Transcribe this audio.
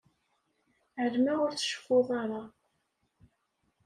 Ɛelmeɣ ur tceffuḍ ara.